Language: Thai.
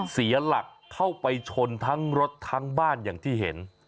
เสียหลักเข้าไปชนทั้งรถทั้งบ้านอย่างที่เห็น